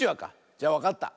じゃわかった。